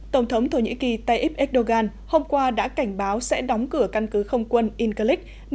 tổng thống thổ nhĩ kỳ tayyip erdogan hôm qua đã cảnh báo sẽ đóng cửa khỏi afghanistan